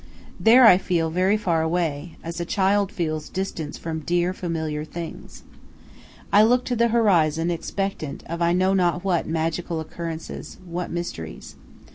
There I feel very far away, as a child feels distance from dear, familiar things. I look to the horizon expectant of I know not what magical occurrences, what mysteries.